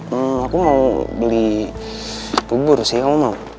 hmm aku mau beli bubur sih kamu mau